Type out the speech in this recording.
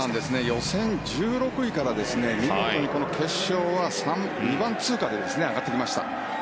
予選１６位から見事に決勝は２番通過で上がってきました。